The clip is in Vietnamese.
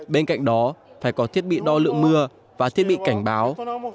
bên cạnh đó phải có thiết bị đo lượng mưa và thiết bị cảnh báo